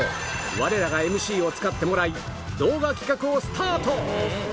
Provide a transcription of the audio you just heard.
われらがＭＣを使ってもらい、動画企画をスタート。